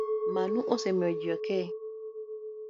Mano osemiyo ji ok